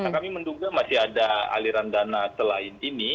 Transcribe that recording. kami menduga masih ada aliran dana selain ini